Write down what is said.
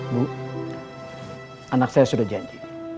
bu anak saya sudah janji